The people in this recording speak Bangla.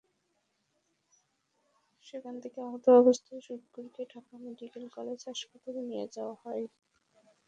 সেখান থেকে আহত অবস্থায় শুক্কুরকে ঢাকা মেডিকেল কলেজ হাসপাতালে নিয়ে যাওয়া হয়।